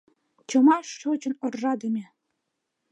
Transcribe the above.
Чома шочын оржадыме